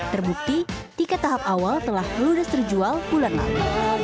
terbukti tiket tahap awal telah ludes terjual bulan lalu